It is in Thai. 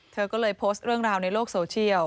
เธอก็เลยโพสต์เรื่องราวในโลกโซเชียล